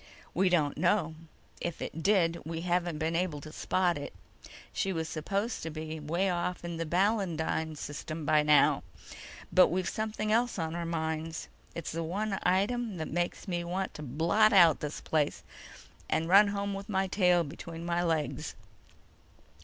"We don't know. If it did, we haven't been able to spot it. She was supposed to be way off in the Balandine System by now. But we've something else on our minds. It's the one item that makes me want to blot out this place, and run home with my tail between my legs.